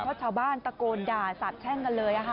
พ่อชาวบ้านตะโกนด่าสัตว์แช่งกันเลย